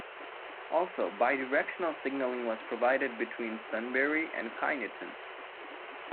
Also, bidirectional signalling was provided between Sunbury and Kyneton.